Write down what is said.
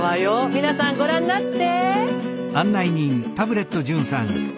皆さんご覧なって。